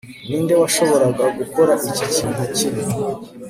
ninde washoboraga gukora iki kintu kibi